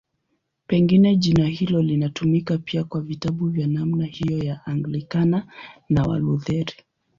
Pengine jina hilo linatumika pia kwa vitabu vya namna hiyo vya Anglikana na Walutheri.